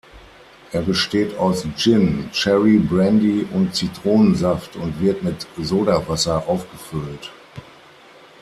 Er besteht aus Gin, Cherry Brandy und Zitronensaft und wird mit Sodawasser aufgefüllt.